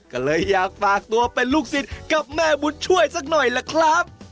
ก็เลยอยากฝากตัวเป็นลูกศิษย์กับแม่บุญช่วยสักหน่อยล่ะครับ